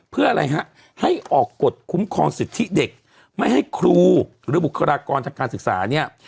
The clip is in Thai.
เพื่ออะไรฮะให้ออกกฎคุ้มครองสิทธิเด็กไม่ให้ครูหรือบุคลากรทางการศึกษาเนี่ย